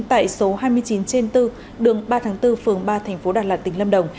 tại số hai mươi chín trên bốn đường ba tháng bốn phường ba thành phố đà lạt tỉnh lâm đồng